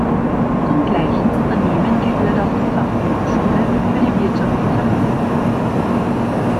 Zum gleichen Unternehmen gehört auch die Fachhochschule für die Wirtschaft in Hannover.